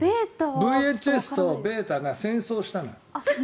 ＶＨＳとベータが戦争したんだよ。